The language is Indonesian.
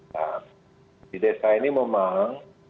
di desa ini memang